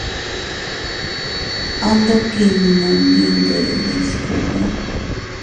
Andokinnun dindede sku.